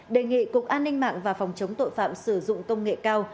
đề nghị cục an ninh mạng và phòng chống tội phạm sử dụng công nghệ cao